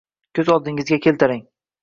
Ko'z oldingizga keltiring!